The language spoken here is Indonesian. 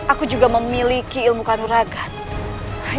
aku juga memiliki ilmu kanur agama